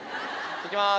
いきます！